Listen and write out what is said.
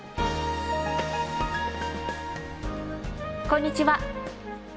こんにちは。